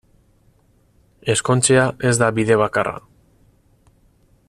Ezkontzea ez da bide bakarra.